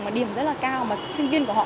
mà điểm rất là cao mà sinh viên của họ